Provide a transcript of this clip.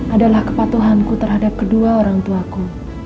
adalah kepatuhanku terhadap kedua orangtuaku